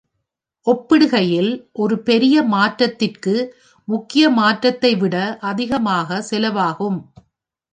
ஒப்பிடுகையில், ஒரு பெரிய மாற்றத்திற்கு முக்கிய மாற்றத்தை விட அதிகமாக செலவாகும்.